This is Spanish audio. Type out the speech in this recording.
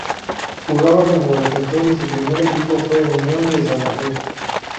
Jugaba como defensor y su primer equipo fue Unión de Santa Fe.